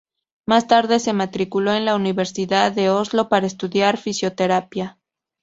Más tarde se matriculó en la Universidad de Oslo para estudiar fisioterapia.